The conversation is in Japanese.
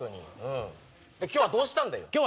今日はどうしたんだよ？